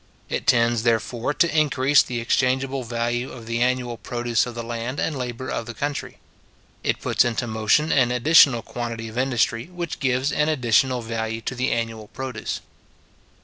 It tends, therefore, to increase the exchangeable value of the annual produce of the land and labour of the country. It puts into motion an additional quantity of industry, which gives an additional value to the annual produce.